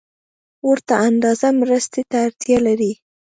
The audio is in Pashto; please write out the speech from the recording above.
ورته اندازې مرستې ته اړتیا لري